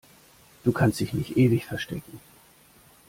Du kannst dich nicht ewig verstecken!